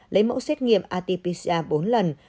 lấy mẫu xét nghiệm atipisa bốn lần